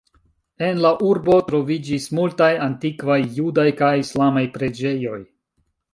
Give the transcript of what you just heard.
En la urbo troviĝis multaj antikvaj judaj kaj islamaj preĝejoj.